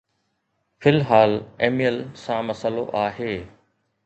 في الحال ايميل سان مسئلو آهي